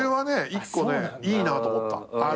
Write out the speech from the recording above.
１個ねいいなと思った。